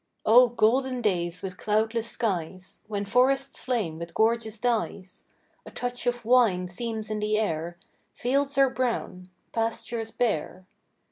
Oh, golden days with cloudless skies— When forests flame with gorgeous dyes; A touch of wine seems in the air, Fields are brown—pastures bare.